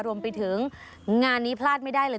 รวมไปถึงงานนี้พลาดไม่ได้เลย